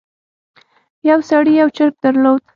یو سړي یو چرګ درلود.